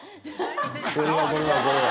これはこれはこれは。